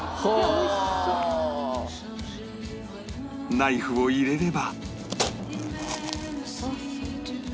ナイフを入れれば